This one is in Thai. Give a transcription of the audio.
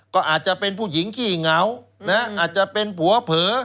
ก็อาจจะเป็นผู้หญิงขี้เหงาอาจจะเป็นผัวเผลอ